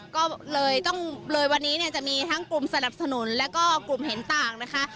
ก็เลยต้องเลยวันนี้เนี่ยจะมีทั้งกลุ่มสนับสนุนแล้วก็กลุ่มเห็นต่างนะคะ